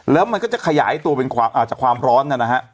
แล้วมันก็จะขยายตัวเป็นจากความร้อนนะฮะ